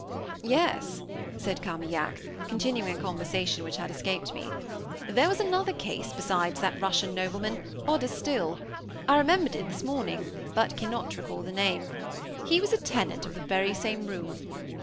"Yes," said Carmaignac, continuing a conversation which had escaped me, "there was another case, beside that Russian nobleman, odder still. I remembered it this morning, but cannot recall the name. He was a tenant of the very same room.